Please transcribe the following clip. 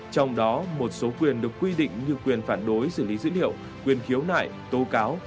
trong đó một số quyền được quy định như quyền phản đối xử lý dữ liệu quyền khiếu nại tố cáo